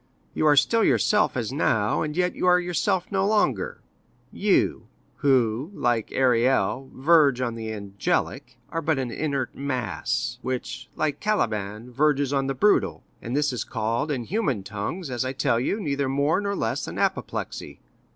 You are still yourself as now, and yet you are yourself no longer; you who, like Ariel, verge on the angelic, are but an inert mass, which, like Caliban, verges on the brutal; and this is called in human tongues, as I tell you, neither more nor less than apoplexy.